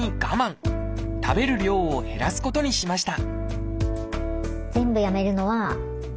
食べる量を減らすことにしました